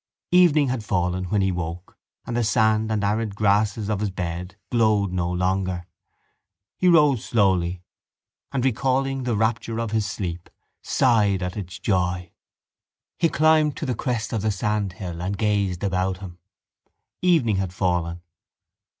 Evening had fallen when he woke and the sand and arid grasses of his bed glowed no longer. He rose slowly and, recalling the rapture of his sleep, sighed at its joy. He climbed to the crest of the sandhill and gazed about him. Evening had fallen.